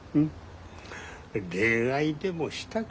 恋愛でもしたかな？